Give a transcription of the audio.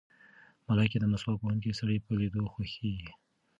ملایکې د مسواک وهونکي سړي په لیدو خوښېږي.